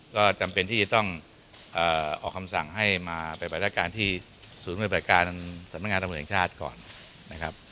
ก็จำเป็นที่ต้องเอ่อออกคำสั่งให้มาไปบริษัทการที่ศูนย์บริษัทการสัมพงานธรรมชาติก่อนนะครับ